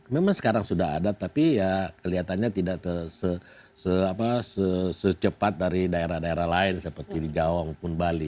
memang sekarang sudah ada tapi ya kelihatannya tidak secepat dari daerah daerah lain seperti di jawa maupun bali